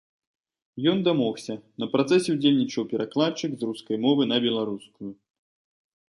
Ён дамогся, на працэсе ўдзельнічаў перакладчык з рускай мовы на беларускую.